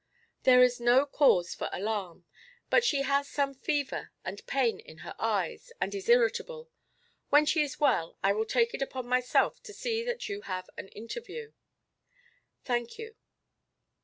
"There is no cause for alarm. But she has some fever, and pain in her eyes, and is irritable. When she is well I will take it upon myself to see that you have an interview." "Thank you."